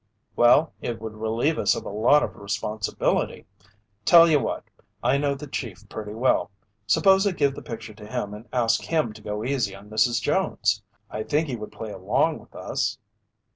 "Well, it would relieve us of a lot of responsibility. Tell you what! I know the Chief pretty well. Suppose I give the picture to him and ask him to go easy on Mrs. Jones? I think he would play along with us."